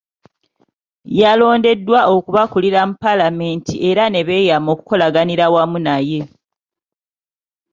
Yalondeddwa okubakulira mu Paalamenti era ne beeyama okukolaganira awamu naye.